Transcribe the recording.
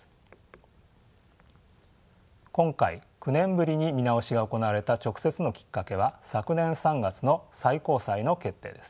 今回９年ぶりに見直しが行われた直接のきっかけは昨年３月の最高裁の決定です。